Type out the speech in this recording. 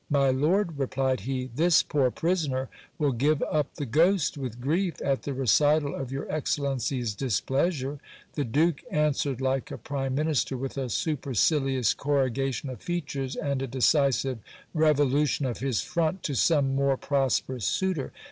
My lord, replied he, this poor prisoner will give up the ghost with grief, at the recital of your excellency's displeasure. The duke an swered like a prime minister, with a supercilious corrugation of features, and a decisive revolution of his front to some more prosperous suitor.